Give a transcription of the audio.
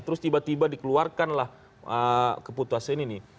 terus tiba tiba dikeluarkanlah keputusan ini nih